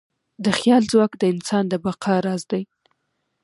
د خیال ځواک د انسان د بقا راز دی.